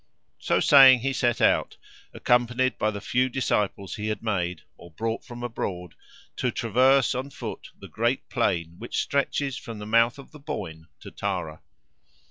So saying he set out, accompanied by the few disciples he had made, or brought from abroad, to traverse on foot the great plain which stretches from the mouth of the Boyne to Tara.